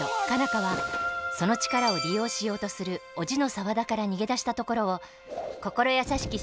花はその力を利用しようとする叔父の沢田から逃げ出したところを心優しき